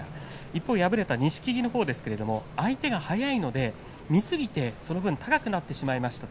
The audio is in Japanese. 一方敗れた錦木は相手が速いので見すぎてその分、高くなってしまいました。